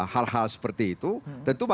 hal hal seperti itu tentu